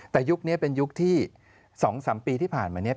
แต่ยุคนี้เป็นยุคที่๒๓ปีที่ผ่านมาเนี่ย